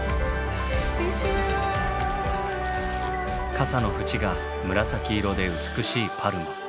傘の縁が紫色で美しいパルモ。